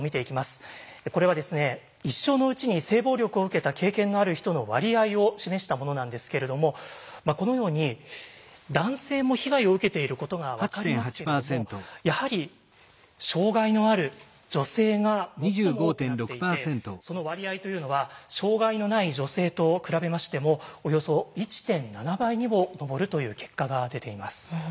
これは一生のうちに性暴力を受けた経験がある人の割合を示したものなんですけれどもこのように男性も被害を受けていることが分かりますけれどもやはり障害のある女性が最も多くなっていてその割合というのは障害のない女性と比べましてもおよそ１．７倍にも上るという結果が出ています。